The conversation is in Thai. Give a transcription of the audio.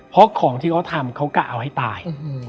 เพราะของที่เขาทำเขากะเอาให้ตาย